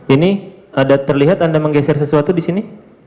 ini ada terlihat anda menggeser sesuatu di sini